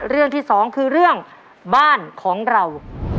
เรื่องที่สองคือเรื่องบ้านของเรา